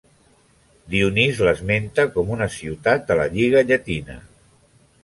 Dionís l'esmenta com una ciutat de la Lliga Llatina.